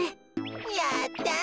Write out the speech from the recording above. やった！